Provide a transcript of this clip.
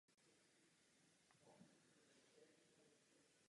Ve světě je mnoho Alfa Romeo klubů.